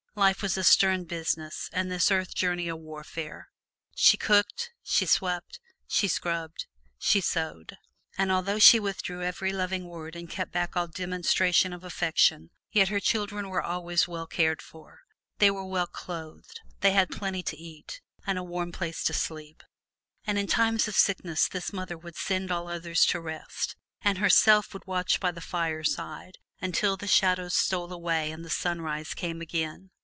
Life was a stern business and this earth journey a warfare. She cooked, she swept, she scrubbed, she sewed. And although she withheld every loving word and kept back all demonstration of affection, yet her children were always well cared for: they were well clothed, they had plenty to eat, and a warm place to sleep. And in times of sickness this mother would send all others to rest, and herself would watch by the bedside until the shadows stole away and the sunrise came again.